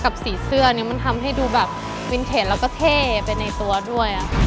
สีเสื้อนี้มันทำให้ดูแบบวินเทจแล้วก็เท่ไปในตัวด้วยค่ะ